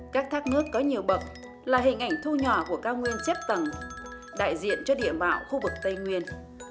các thác nước có nhiều bậc là hình ảnh thu nhỏ của cao nguyên chép tầng đại diện cho địa mạo khu vực tây nguyên